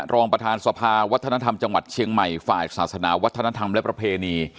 รองประธานสภาวัฒนธรรมจังหวัดเชียงใหม่ฝ่ายศาสนาวัฒนธรรมและประเพณี